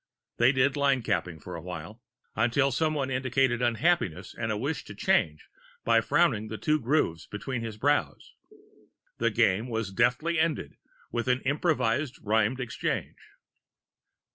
They did line capping for a while until somebody indicated unhappiness and a wish to change by frowning the Two Grooves between his brows. The game was deftly ended with an improvised rhymed exchange.